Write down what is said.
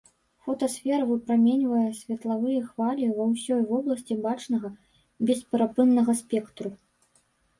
Фотасфера выпраменьвае светлавыя хвалі ва ўсёй вобласці бачнага бесперапыннага спектру.